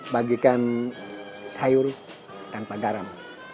bagikan sayur tanpa garam